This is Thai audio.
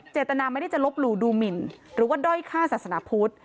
เจตนาไม่ได้จะลบหลู่ดูหมินหรือว่าด้อยฆ่าศาสนาพุทธ